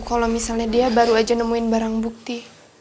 kalau misalnya dia baru aja nemuin barang bukti